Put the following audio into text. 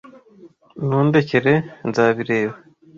Nundekere. Nzabireba.